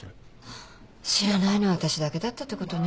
ハァ知らないのは私だけだったってことね。